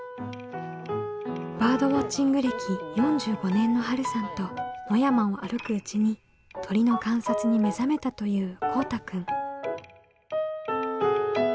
バードウォッチング歴４５年のはるさんと野山を歩くうちに鳥の観察に目覚めたというこうたくん。